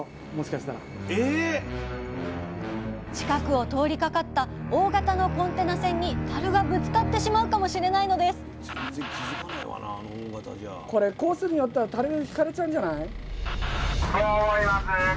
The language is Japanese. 近くを通りかかった大型のコンテナ船にたるがぶつかってしまうかもしれないのです了解。